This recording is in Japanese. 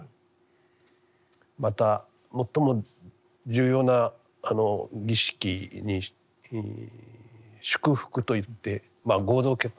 また最も重要な儀式に祝福といって合同結婚式ですね。